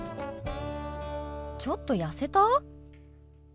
ちょっと痩せた？